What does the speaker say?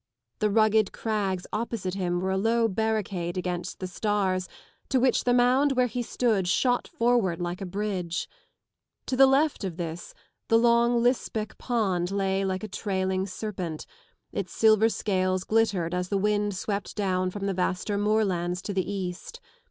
(The rugged crags opposite him were a low barricade against the stars to which the mound where he stood shot forward like a bridge. To the left of this the long Lisbech pond lay like a trailing serpent; its silver scales glittered as the wind swept down from the vaster moorlands to the east.